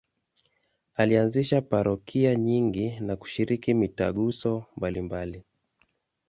Alianzisha parokia nyingi na kushiriki mitaguso mbalimbali.